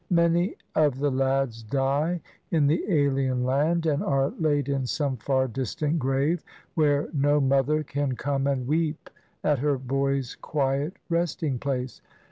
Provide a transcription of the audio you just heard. Many of the lads die in the alien land and are laid in some far distant grave, where no mother can come and weep at her boy's quiet resting place.